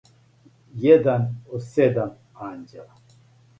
један од седам анђела